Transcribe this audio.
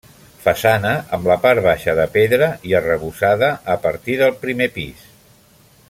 Façana amb la part baixa de pedra i arrebossada a partir del primer pis.